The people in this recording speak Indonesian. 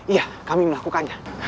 iya kami melakukannya